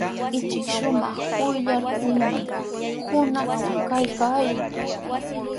Ishkay shumaq quyllurkunami hunaqtraw kaykaayan.